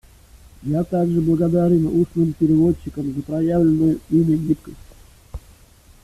Я также благодарен устным переводчикам за проявленную ими гибкость.